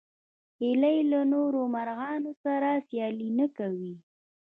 هیلۍ له نورو مرغانو سره سیالي نه کوي